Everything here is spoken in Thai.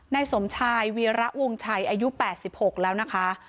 สมชายวีระวงชัยอายุ๘๖แล้วนะคะ